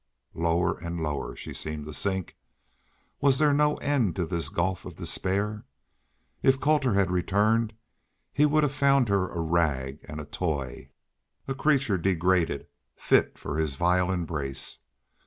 Lower and lower she seemed to sink. Was there no end to this gulf of despair? If Colter had returned he would have found her a rag and a toy a creature degraded, fit for his vile embrace.